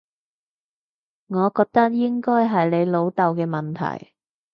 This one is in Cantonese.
我覺得應該係你老豆嘅問題